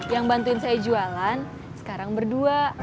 yang bantuin saya jualan sekarang berdua